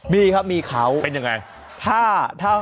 มีครับมีเขาเป็นยังไง